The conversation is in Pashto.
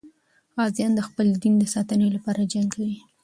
غازیان د خپل دین د ساتنې لپاره جنګ کوي.